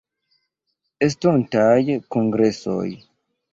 Estontaj Kongresoj.